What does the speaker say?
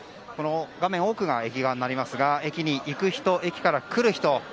画面奥が駅側になりますが駅に行く人、駅から来る人。